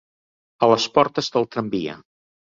A les portes del tramvia.